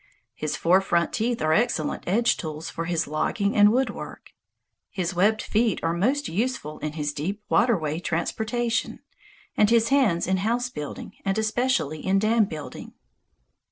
His four front teeth are excellent edge tools for his logging and woodwork; his webbed feet are most useful in his deep waterway transportation, and his hands in house building and especially in dam building.